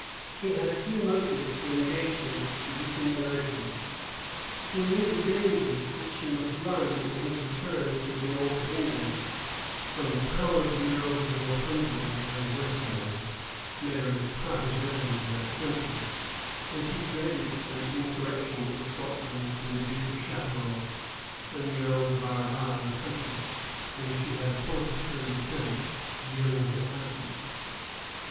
He had two motives to engage him to dissimulation. Heknew the danger which he must run in his return through the north of England, from the power of the earls of Northumberland and Westmoreland, Mary's partisans in that country; and he dreaded an insurrection in Scotland from the duke of Chatelrault and the earls of Argyle and Huntley, whom she had appointed her lieutenants during her absence.